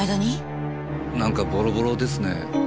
なんかボロボロですね。